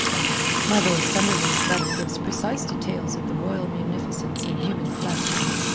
My Lord Sunderland's letter gives precise details of the royal munificence in human flesh.